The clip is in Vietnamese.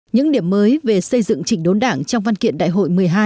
những điểm mới về xây dựng chỉnh đốn đảng trong văn kiện đại hội một mươi hai